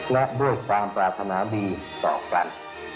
และด้วยความปรารถนาดีต่อกัน